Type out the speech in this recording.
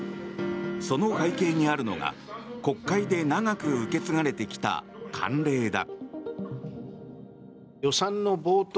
その背景にあるのが、国会で長く受け継がれてきた慣例だ。